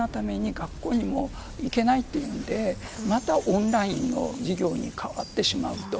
学校にも行けないというのでまたオンラインの授業に変わってしまうと。